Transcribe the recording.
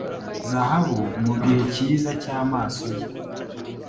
Zahabu mugihe cyiza cyamaso ye,